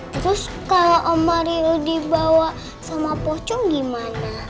terus kalau om mario dibawa sama pocong gimana